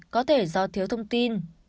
có thể do thiếu thông tin